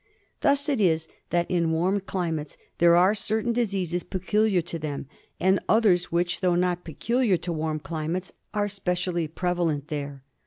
Thus it is that in warm climates there are certain diseases peculiar to them, and others which, though not peculiar to warm climates, are specially prevalent there.